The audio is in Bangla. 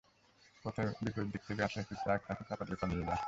পথে বিপরীত দিক থেকে আসা একটি ট্রাক তাঁকে চাপা দিয়ে পালিয়ে যায়।